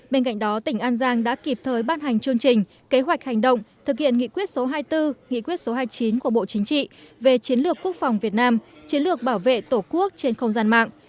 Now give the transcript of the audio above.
bên cạnh đó tỉnh an giang đã kịp thời ban hành chương trình kế hoạch hành động thực hiện nghị quyết số hai mươi bốn nghị quyết số hai mươi chín của bộ chính trị về chiến lược quốc phòng việt nam chiến lược bảo vệ tổ quốc trên không gian mạng